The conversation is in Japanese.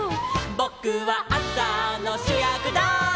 「ぼくはあさのしゅやくだい」